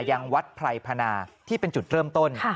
ยังวัดไพรพนาที่เป็นจุดเริ่มต้น